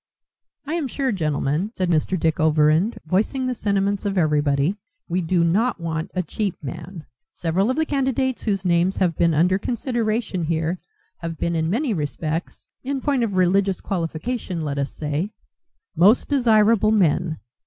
"I am sure, gentlemen," said Mr. Dick Overend, voicing the sentiments of everybody, "we do not want a cheap man. Several of the candidates whose names have been under consideration here have been in many respects in point of religious qualification, let us say most desirable men.